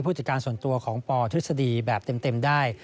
ผู้จัดการส่วนตัวของปธฤษฎีแบบเต็มได้